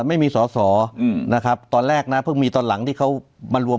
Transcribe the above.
ไม่มีสอสอนะครับตอนแรกนะเพิ่งมีตอนหลังที่เขามารวม